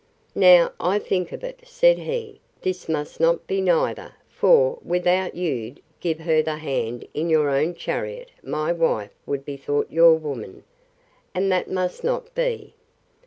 Now I think of it, said he, this must not be neither; for, without you'd give her the hand in your own chariot, my wife would be thought your woman, and that must not be.